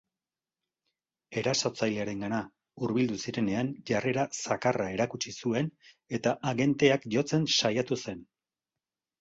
Erasotzailearengana hurbildu zirenean, jarrera zakarra erakutsi zuen eta agenteak jotzen saiatu zen.